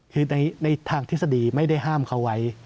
คือในทางทฤษฎีไม่ได้ห้ามเขาไว้